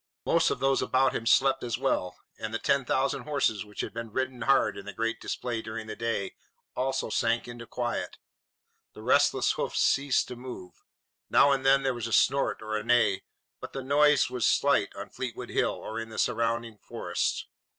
Most of those about him slept as well, and the ten thousand horses, which had been ridden hard in the great display during the day, also sank into quiet. The restless hoofs ceased to move. Now and then there was a snort or a neigh, but the noise was slight on Fleetwood Hill or in the surrounding forests.